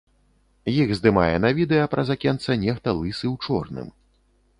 Іх здымае на відэа праз акенца нехта лысы ў чорным.